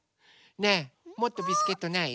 ねえもっとビスケットない？